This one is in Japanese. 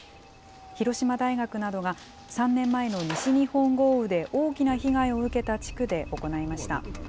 広島大学などが、３年前の西日本豪雨で大きな被害を受けた地区で行いました。